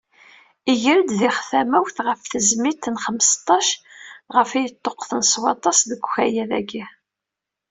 Iger-d diɣ tamawt ɣef tezmilt n xmesṭac ɣef, i yeṭṭuqten s waṭas deg ukayad-agi.